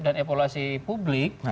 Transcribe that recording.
dan evaluasi publik